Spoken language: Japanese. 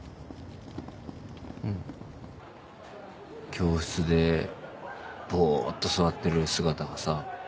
教室でぼっと座ってる姿がさ